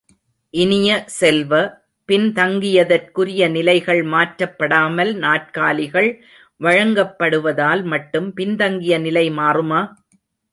இனிய செல்வ, பின் தங்கியதற்குரிய நிலைகள் மாற்றப்படாமல் நாற்காலிகள் வழங்கப்படுவதால் மட்டும் பின்தங்கிய நிலை மாறுமா?